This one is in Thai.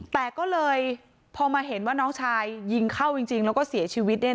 แต่ก็เลยพอมาเห็นว่าน้องชายยิงเข้าจริงแล้วก็เสียชีวิต